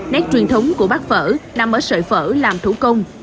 nét truyền thống của bát phở nằm ở sợi phở làm thủ công